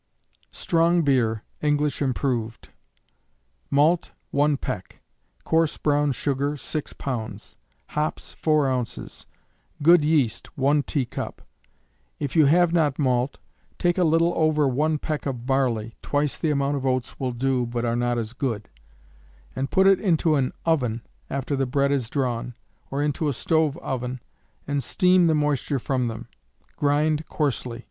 Strong Beer, English Improved. Malt, 1 peck; coarse brown sugar, 6 pounds; hops, 4 ounces; good yeast, 1 teacup; if you have not malt, take a little over 1 peck of barley, (twice the amount of oats will do, but are not as good,) and put it into an oven after the bread is drawn, or into a stove oven, and steam the moisture from them. Grind coarsely.